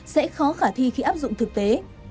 sẽ khó khả thi khi áp dụng thực tế